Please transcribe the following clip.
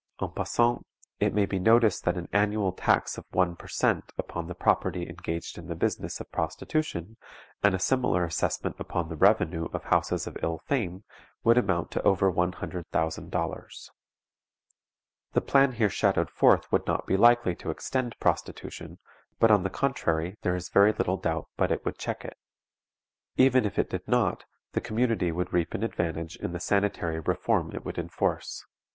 En passant, it may be noticed that an annual tax of one per cent. upon the property engaged in the business of prostitution, and a similar assessment upon the revenue of houses of ill fame, would amount to over one hundred thousand dollars. The plan here shadowed forth would not be likely to extend prostitution, but on the contrary there is very little doubt but it would check it. Even if it did not, the community would reap an advantage in the sanitary reform it would enforce.